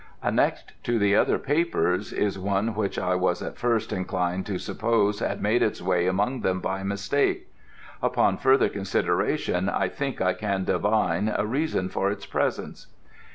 Annexed to the other papers is one which I was at first inclined to suppose had made its way among them by mistake. Upon further consideration I think I can divine a reason for its presence.